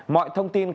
mọi thông tin cá nhân